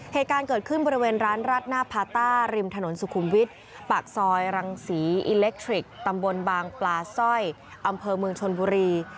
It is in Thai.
เหตุการณ์เกิดขึ้นบริเวณร้านราดหน้าพาต้าริมถนนสุขุมวิทย์ปากซอยรังศรีอิเล็กทริกตำบลบางปลาสร้อยอำเภอเมืองชนบุรี